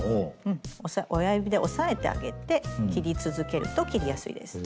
親指で押さえてあげて切り続けると切りやすいです。